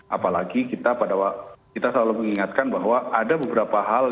apalagi kita selalu mengingatkan bahwa ada beberapa hal